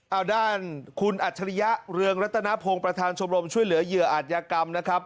เอาด้านคุณอัจฉริยะเรืองรัตนพงศ์ประธานชมรมช่วยเหลือเหยื่ออาจยากรรมนะครับ